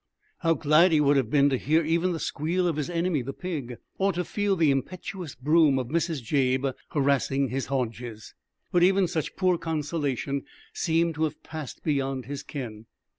How glad he would have been to hear even the squeal of his enemy, the pig, or to feel the impetuous broom of Mrs. Jabe harassing his haunches! But even such poor consolation seemed to have passed beyond his ken.